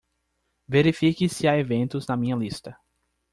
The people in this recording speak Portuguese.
Verifique se há eventos na minha lista.